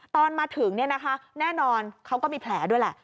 ตอนมาถึงแน่นอนเขาก็มีแผลด้วยแหละ